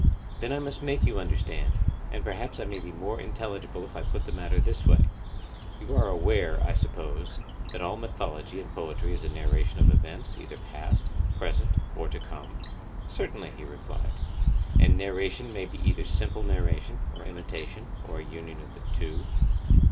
Then I must make you understand; and perhaps I may be more intelligible if I put the matter in this way. You are aware, I suppose, that all mythology and poetry is a narration of events, either past, present, or to come? Certainly, he replied. And narration may be either simple narration, or imitation, or a union of the two?